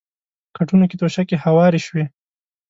کټونو کې توشکې هوارې شوې.